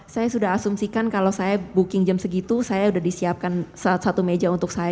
saya sudah asumsikan kalau saya booking jam segitu saya sudah disiapkan saat satu meja untuk saya